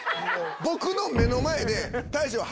僕の目の前で。